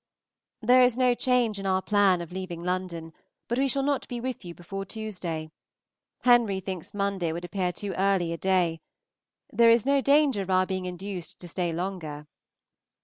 There is no change in our plan of leaving London, but we shall not be with you before Tuesday. Henry thinks Monday would appear too early a day. There is no danger of our being induced to stay longer.